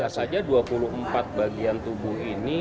bisa saja dua puluh empat bagian tubuh ini